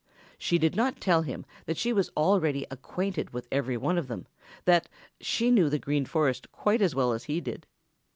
She did not tell him that she was already acquainted with every one of them, that she knew the Green Forest quite as well as he did.